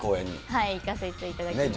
行かせていただきます。